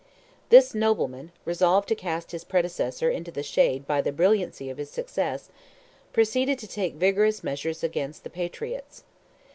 This nobleman, resolved to cast his predecessor into the shade by the brilliancy of his success, proceeded to take vigorous measures against the patriots.